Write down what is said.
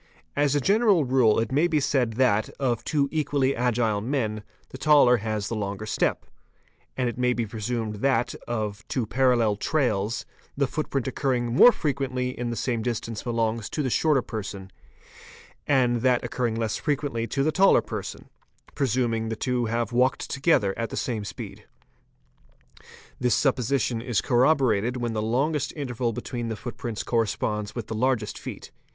As a general rule it may be said that, of two equally agile men, the taller has the longer step; and it may be presumed that, of two parallel trails, the footprint occurring more frequently in the same distance belongs to the shorter person, and that occurring less frequently to the taller person,—presuming the two have walked together at the same speed. This supposition is corroborated when the longest interval between the footprints corresponds with the largest feet.